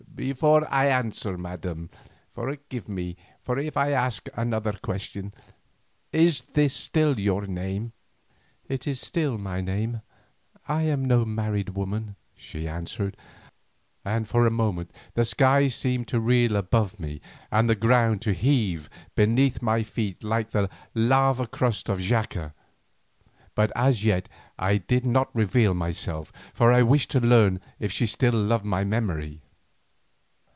"Before I answer, Madam, forgive me if I ask another question. Is this still your name?" "It is still my name, I am no married woman," she answered, and for a moment the sky seemed to reel above me and the ground to heave beneath my feet like the lava crust of Xaca. But as yet I did not reveal myself, for I wished to learn if she still loved my memory.